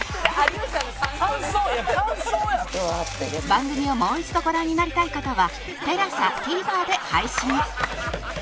番組をもう一度ご覧になりたい方は ＴＥＬＡＳＡＴＶｅｒ で配信